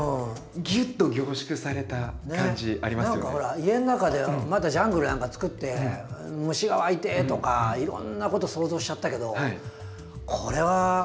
何かほら家の中でまたジャングルなんかつくって虫がわいてとかいろんなこと想像しちゃったけどこれはちょっとすてきですよね。